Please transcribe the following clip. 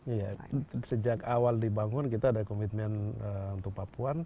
iya sejak awal dibangun kita ada komitmen untuk papuan